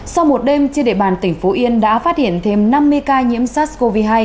sau một đêm trên địa bàn tỉnh phú yên đã phát hiện thêm năm mươi ca nhiễm sars cov hai